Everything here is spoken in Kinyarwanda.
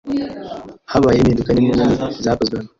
Habayeho impinduka nini nini zakozwe hano.